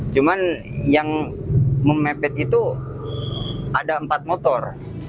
cuma yang memepet itu ada empat motor